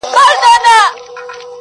د اور ورين باران لمبو ته چي پناه راوړې~